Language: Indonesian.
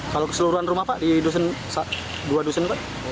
kalau keseluruhan rumah di dua dusun